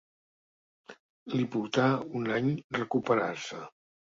Li portà un any recuperar-se.